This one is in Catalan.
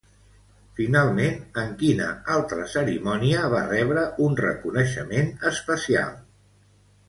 Finalment, en quina altra cerimònia va rebre un reconeixement especial?